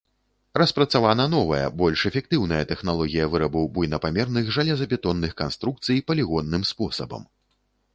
Распрацавана новая, больш эфектыўная тэхналогія вырабу буйнапамерных жалезабетонных канструкцый палігонным спосабам.